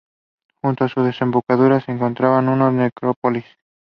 During the war he was awarded two silver medals for military valor.